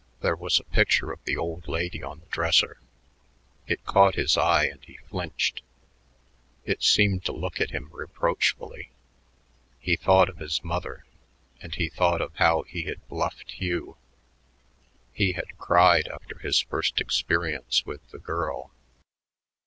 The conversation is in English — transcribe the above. There was a picture of the "old lady" on the dresser. It caught his eye, and he flinched. It seemed to look at him reproachfully. He thought of his mother, and he thought of how he had bluffed Hugh. He had cried after his first experience with the girl.